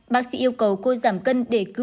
bmi của ca lên tới năm mươi